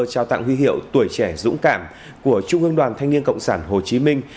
trao tặng huy hiệu tuổi trẻ dũng cảm của trung ương đoàn thanh niên cộng sản hồ chí minh